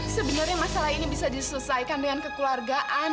sebenarnya masalah ini bisa diselesaikan dengan kekeluargaan